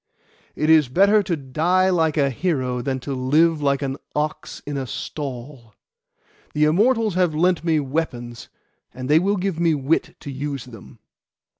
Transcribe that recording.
'It is better to die like a hero than to live like an ox in a stall. The Immortals have lent me weapons, and they will give me wit to use them.